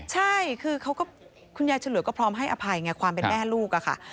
ใช่คือเขาก็คุณยายฉลวยก็พร้อมให้อภัยไงความเป็นแม่ลูกอะค่ะ